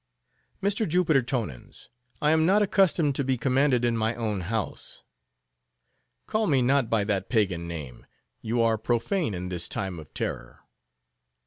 "Mr. Jupiter Tonans, I am not accustomed to be commanded in my own house." "Call me not by that pagan name. You are profane in this time of terror."